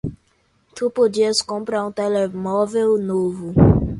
Tu podias comprar um telemóvel novo